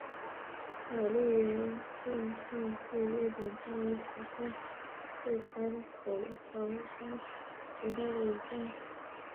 小笠原信兴是日本战国时代至安土桃山时代的武将。